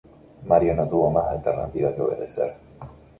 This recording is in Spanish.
Mario no tuvo más alternativa que obedecer.